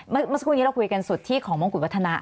เมื่อกว่าวันนี้คุยกันสดที่ของมองกุดวัฒนะ